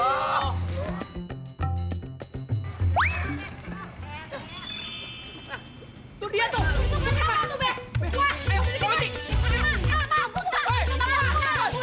aduh bodoh banget sih